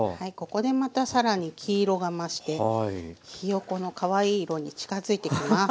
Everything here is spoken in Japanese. ここでまた更に黄色が増してひよこのかわいい色に近づいてきます。